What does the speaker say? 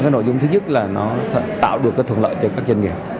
cái nội dung thứ nhất là nó tạo được thuận lợi cho các doanh nghiệp